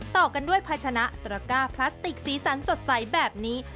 ต่อกันด้วยภาชนะตระก้าพลาสติกสีสันสดใสแบบนี้